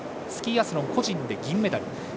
スキーアスロン個人で銀メダル。